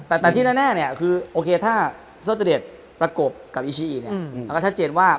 อันนี้ไม่รู้ว่าใครเป็นคนจ้างหมา